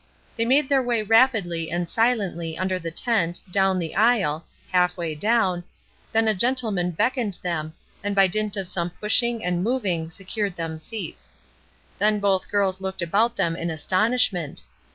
They made their way rapidly and silently under the tent, down the aisle half way down then a gentleman beckoned them, and by dint of some pushing and moving secured them seats. Then both girls looked about them in astonishment.